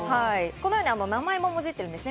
このように名前ももじってるんですね。